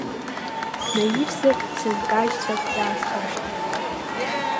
Снаивсыр, сынкажьцәап, иаасхашҭып.